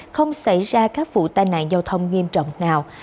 không xảy ra các vụ tai nạn giao thông nghiêm trọng nào